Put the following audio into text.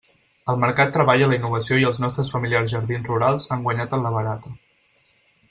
El mercat treballa la innovació i els nostres familiars jardins rurals han guanyat en la barata.